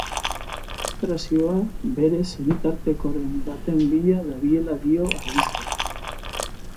Administrazioa bere senitartekoren baten bila dabilela dio albisteak.